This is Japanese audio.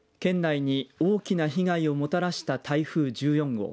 県内に大きな被害をもたらした台風１４号。